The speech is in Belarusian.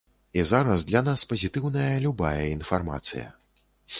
І зараз для нас пазітыўная любая інфармацыя.